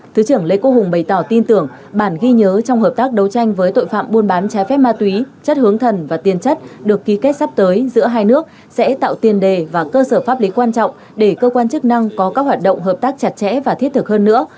thứ trưởng lê quốc hùng bày tỏ tin tưởng bản ghi nhớ trong hợp tác đấu tranh với tội phạm buôn bán trái phép ma túy chất hướng thần và tiền chất được ký kết sắp tới giữa hai nước sẽ tạo tiền đề và cơ sở pháp lý quan trọng để cơ quan chức năng có các hoạt động hợp tác chặt chẽ và thiết thực hơn nữa